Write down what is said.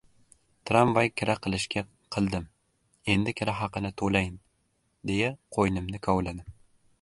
Tramvay kira qilishga qildim, endi kira haqini to‘layin, deya qo‘ynimni kovladim.